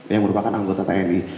yang merupakan anggota tni